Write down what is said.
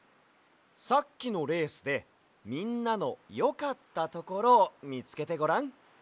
さっきのレースでみんなのよかったところをみつけてごらん。